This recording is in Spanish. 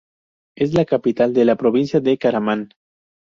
Es la capital de la provincia de Karaman.